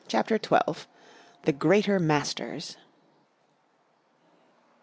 CHAPTER XII. THE GREATER MASTERS.